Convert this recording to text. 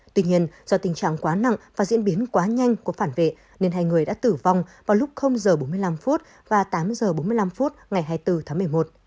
tuy nhiên do tình trạng quá nặng và diễn biến quá nhanh của phản vệ nên hai người đã tử vong vào lúc h bốn mươi năm và tám h bốn mươi năm phút ngày hai mươi bốn tháng một mươi một